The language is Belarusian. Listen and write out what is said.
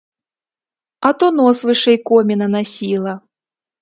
А то нос вышэй коміна насіла!